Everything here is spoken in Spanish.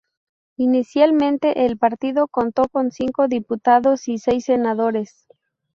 Inicialmente, el partido contó con cinco diputados y seis senadores.